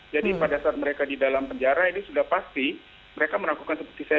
jadi pada saat mereka di dalam penjara ini sudah pasti mereka melakukan seperti saya